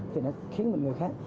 thì nó khiến mình người khác